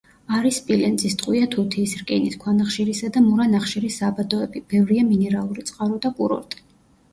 არის სპილენძის, ტყვია-თუთიის, რკინის, ქვანახშირისა და მურა ნახშირის საბადოები, ბევრია მინერალური წყარო და კურორტი.